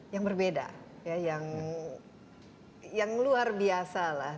yang berbeda ya yang yang luar biasa lah